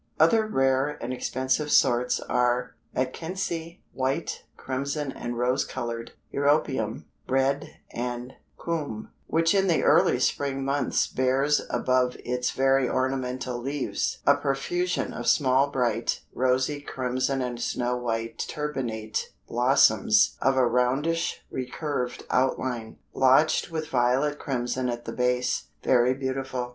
Other rare and expensive sorts are Atkinsii, white, crimson and rose colored; Europeum, red, and Coum, which in the early spring months bears above its very ornamental leaves "a profusion of small bright, rosy, crimson and snow white turbinate blossoms of a roundish recurved outline, blotched with violet crimson at the base, very beautiful."